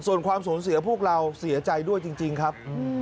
ส่วนความสูญเสียพวกเราเสียใจด้วยจริงครับ